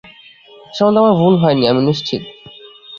এ সম্বন্ধে আমার ভুল হয়নি, আমি নিশ্চিত।